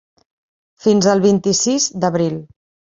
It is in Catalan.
Fins el vint-i-sis d’abril.